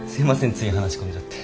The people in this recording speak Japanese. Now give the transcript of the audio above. つい話し込んじゃって。